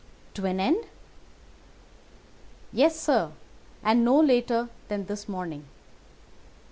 "To an end?" "Yes, sir. And no later than this morning.